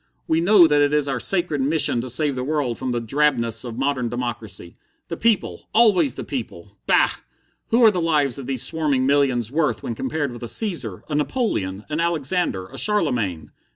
We know that it is our sacred mission to save the world from the drabness of modern democracy. The people always the people! Bah! what are the lives of these swarming millions worth when compared with a Caesar, a Napoleon, an Alexander, a Charlemagne?